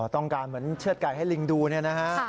ต้องการเหมือนเชือดไก่ให้ลิงดูเนี่ยนะฮะ